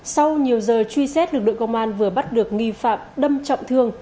sau nhiều giờ truy xét lực lượng công an vừa bắt được nghi phạm đâm trọng thương